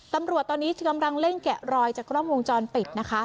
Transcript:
ตำรวจตอนนี้กำลังเร่งแกะรอยจากกล้องวงจรปิดนะคะ